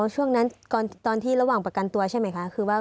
อ๋อช่วงนั้นตอนที่ระหว่างประกันตัวใช่ไหมคะ